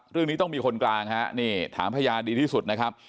เรื่องนี้ต้องมีคนกลางฮะนี่ถามพยานดีที่สุดนะครับ